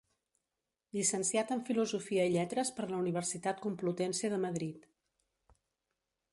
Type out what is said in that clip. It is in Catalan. Llicenciat en Filosofia i Lletres per la Universitat Complutense de Madrid.